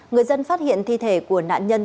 người dân phát hiện thi thể của nạn nhân